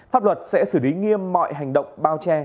pháp luật sẽ xử lý nghiêm mọi hành động bao che